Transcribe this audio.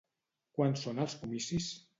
Quan són els comicis?